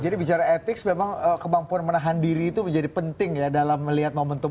jadi bicara etik memang kemampuan menahan diri itu menjadi penting ya dalam melihat momentum